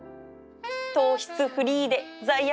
糖質フリーで罪悪感ゼロ